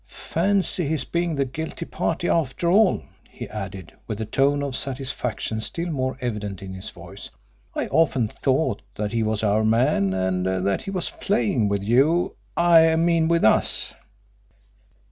"Fancy his being the guilty party after all," he added, with the tone of satisfaction still more evident in his voice. "I often thought that he was our man, and that he was playing with you I mean with us."